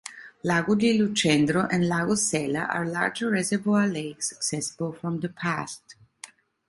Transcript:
Lago di Lucendro and Lago Sella are larger reservoir lakes accessible from the pass.